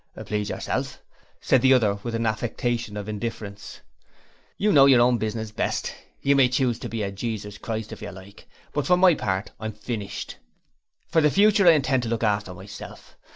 'Please yourself,' said the other with an affectation of indifference. 'You know your own business best. You may choose to be a Jesus Christ if you like, but for my part I'm finished. For the future I intend to look after myself.